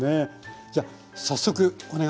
じゃあ早速お願いします。